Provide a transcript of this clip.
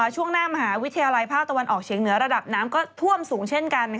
ช่วงหน้ามหาวิทยาลัยภาคตะวันออกเฉียงเหนือระดับน้ำก็ท่วมสูงเช่นกัน